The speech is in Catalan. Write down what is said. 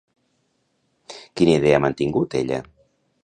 Quina idea ha mantingut, ella?